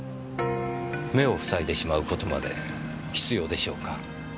目をふさいでしまうことまで必要でしょうか？